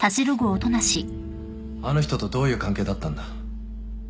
あの人とどういう関係だったんだ？